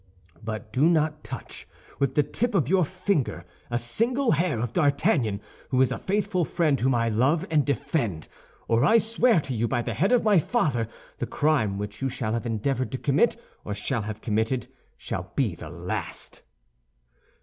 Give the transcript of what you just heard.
But do not touch with the tip of your finger a single hair of D'Artagnan, who is a faithful friend whom I love and defend, or I swear to you by the head of my father the crime which you shall have endeavored to commit, or shall have committed, shall be the last."